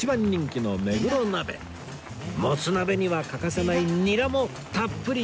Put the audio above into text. もつ鍋には欠かせないニラもたっぷり！